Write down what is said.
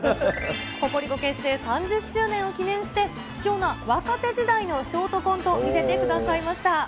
ココリコ結成３０周年を記念して、貴重な若手時代のショートコント、見せてくださいました。